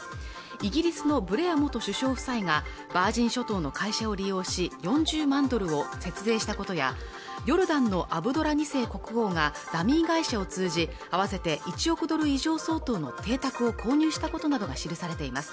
イギリスのブレア元首相夫妻がバージン諸島の会社を利用し４０万ドルを説明した事やヨルダンのアブドラ二世国王がダミー会社を通じ合わせて１億ドル以上相当の邸宅を購入したことなどが記されています